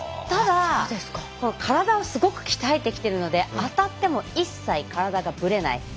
ただ、体をすごく鍛えてきているので当たっても一切体がぶれない。